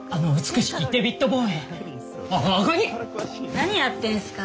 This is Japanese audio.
何やってんすか？